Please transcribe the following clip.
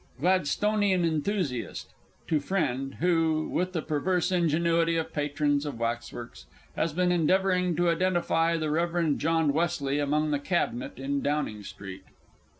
"_ GLADSTONIAN ENTHUSIAST (to FRIEND, _who, with the perverse ingenuity of patrons of Waxworks, has been endeavouring to identify the Rev. John Wesley among the Cabinet in Downing Street_).